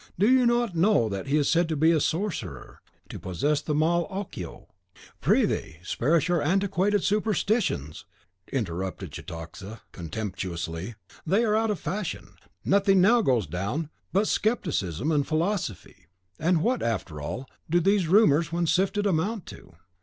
Do you not know that he is said to be a sorcerer; to possess the mal occhio; to " "Prithee, spare us your antiquated superstitions," interrupted Cetoxa, contemptuously. "They are out of fashion; nothing now goes down but scepticism and philosophy. And what, after all, do these rumours, when sifted, amount to?